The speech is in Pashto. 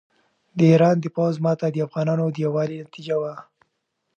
د ایران د پوځ ماته د افغانانو د یووالي نتیجه وه.